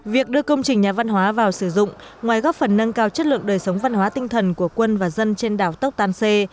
việc đưa công trình nhà văn hóa vào sử dụng ngoài góp phần nâng cao chất lượng đời sống văn hóa tinh thần của quân và dân trên đảo tốc tan xê